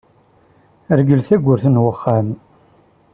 Rgel tabburt n uxxam.